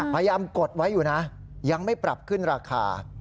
กดไว้อยู่นะยังไม่ปรับขึ้นราคา